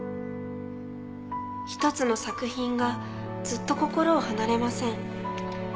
一つの作品がずっと心を離れません。